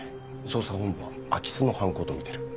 捜査本部は空き巣の犯行とみてる。